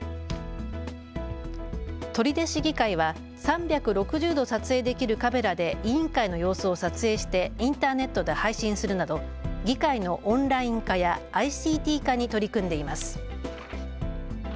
取手市議会は３６０度撮影できるカメラで委員会の様子を撮影してインターネットで配信するなど議会のオンライン化やＩＣＴ化に取り組んでいます。